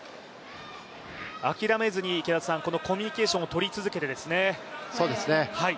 諦めずにコミュニケーションをとり続けてですね。